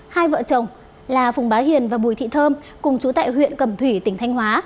hai vợ chồng là phùng bá hiền và bùi thị thơm cùng chú tại huyện cầm thủy tỉnh thanh hóa